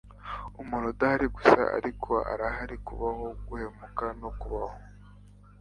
umuntu udahari gusa, ariko arahari kubaho, guhumeka, no kubaho